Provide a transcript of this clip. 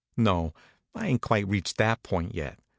" No, I ain t quite reached that point yet.